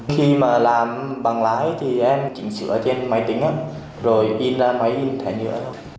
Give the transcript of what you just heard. khi mà làm bằng lái thì em chỉnh sửa trên máy tính rồi in ra máy in thẻ nhựa